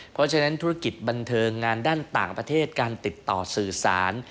เพราะฉะนั้นธุรกิจบันเทิงงานด้านต่างประเทศการติดต่อสื่อสาร